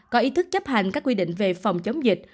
có ý thức chấp hành các quy định về phòng chống dịch